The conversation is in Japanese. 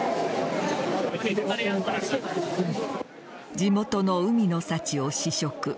地元の海の幸を試食。